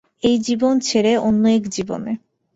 এই জীবন ছেড়ে অন্য এক জীবনে।